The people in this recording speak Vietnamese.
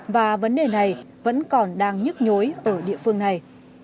và vấn đề này vẫn còn đang nhức nhối ở địa phương này